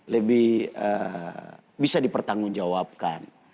lebih bisa dipertanggungjawabkan